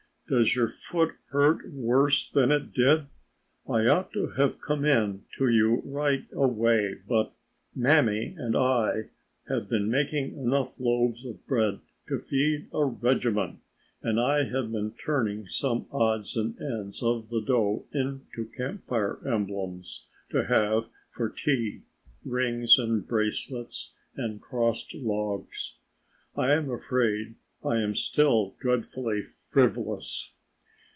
"Does your foot hurt worse than it did? I ought to have come in to you right away, but Mammy and I have been making enough loaves of bread to feed a regiment and I have been turning some odds and ends of the dough into Camp Fire emblems to have for tea rings and bracelets and crossed logs. I am afraid I am still dreadfully frivolous!"